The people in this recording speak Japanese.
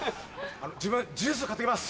自分ジュース買ってきます。